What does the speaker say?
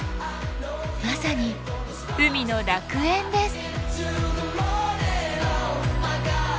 まさに海の楽園です。